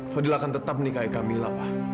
fadil akan tetap menikahi kamila pak